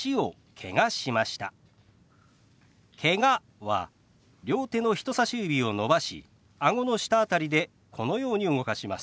「けが」は両手の人さし指を伸ばしあごの下辺りでこのように動かします。